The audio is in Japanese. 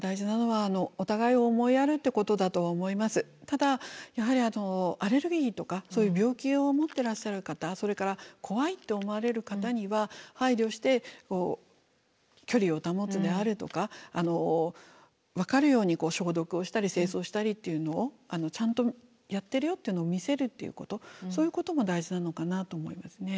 やっぱりただやはりアレルギーとかそういう病気を持ってらっしゃる方それから怖いって思われる方には配慮して距離を保つであるとか分かるように消毒をしたり清掃をしたりっていうのをちゃんとやってるよっていうのを見せるっていうことそういうことも大事なのかなと思いますね。